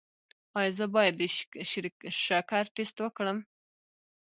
ایا زه باید د شکر ټسټ وکړم؟